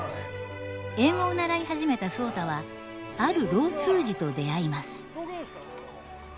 英語を習い始めた壮多はある老通詞と出会います。